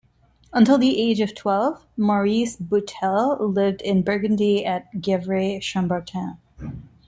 Until the age of twelve Maurice Boitel lived in Burgundy at Gevrey-Chambertin.